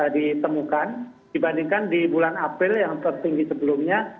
ditemukan dibandingkan di bulan april yang tertinggi sebelumnya